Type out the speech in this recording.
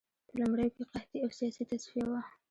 په لومړیو کې قحطي او سیاسي تصفیه وه